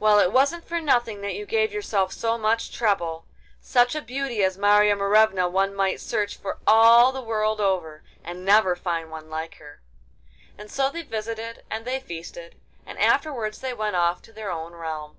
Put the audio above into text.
Well, it wasn't for nothing that you gave yourself so much trouble. Such a beauty as Marya Morevna one might search for all the world over—and never find one like her!' And so they visited, and they feasted; and afterwards they went off to their own realm.